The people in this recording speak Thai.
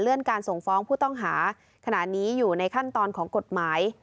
การส่งฟ้องผู้ต้องหาขณะนี้อยู่ในขั้นตอนของกฎหมาย